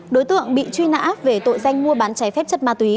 đối tượng bị truy nã về tội danh mua bán trái phép chất ma túy